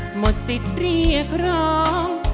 หมดสิทธิ์เรียกร้อง